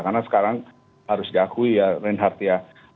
karena sekarang harus diakui ya reinhardt ya